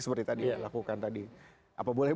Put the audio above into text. seperti tadi apa boleh